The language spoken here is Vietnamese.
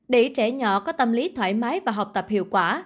để trẻ nhỏ có tâm lý thoải mái và học tập hiệu quả